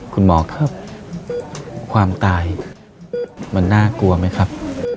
คุณหมอครับความตายมันน่ากลัวไหมครับ